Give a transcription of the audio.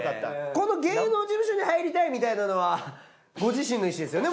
この芸能事務所に入りたいみたいなのはご自身の意思ですよね？